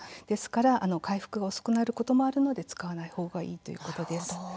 ですから回復が遅くなることもあるので使わないほうがいいです。